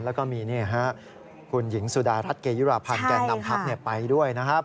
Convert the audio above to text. แล้วก็มีนี่คุณหญิงสุดารัตรเกยุรพัลกันนำพัพไปด้วยนะครับ